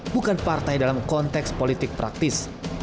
bukan partai dalam konteks politik praktis